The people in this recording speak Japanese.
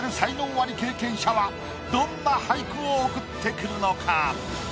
アリ経験者はどんな俳句を送ってくるのか？